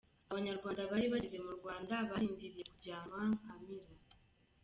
Abanyarwanda bari bageze mu Rwanda barindiriye kujyanwa Nkamira.